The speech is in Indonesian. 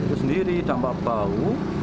itu sendiri dampak bau